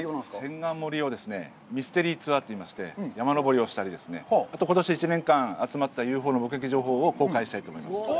千貫森をミステリーツアーといいまして、山登りをしたりですね、ことし１年間、集めたＵＦＯの目撃情報を公開したりします。